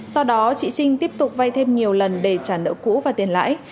sau đó chị trinh tiếp tục vay thêm nhiều lần để trả nợ cũ và tiền lãi